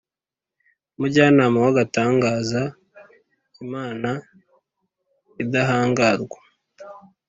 “umujyanamaw’agatangaza, imana idahangarwa